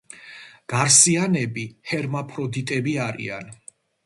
გარსიანები ჰერმაფროდიტები არიან.